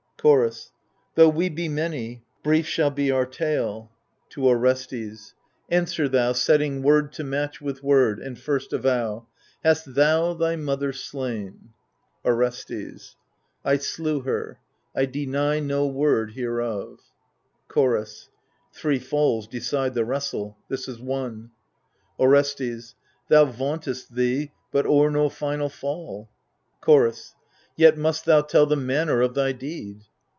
Chorus Though we be many, brief shall be our tale. M i62 THE FURIES {To Orestes) Answer thou, setting word to match with word ; And first avow — ^hast thou thy mother slain ? Orestes I slew her. I deny no word hereof. Chorus Three fdls decide the wrestle — this is one. Orestes Thou vauntest thee — but o'er no final fall. Chorus Yet must thou tell the manner of thy deed.